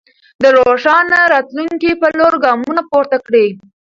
د روښانه راتلونکي په لور ګامونه پورته کړئ.